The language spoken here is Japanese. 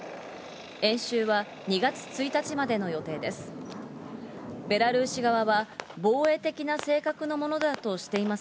演習は２月１日までの予定です。